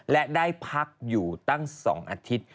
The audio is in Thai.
และได้พักอยู่ตั้ง๒อาทิตย์